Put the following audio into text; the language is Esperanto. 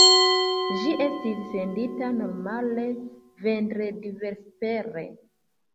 Ĝi estis sendita normale vendredvespere.